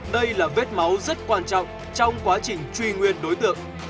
đây là vết máu rất quan trọng trong quá trình truy nguyên đối tượng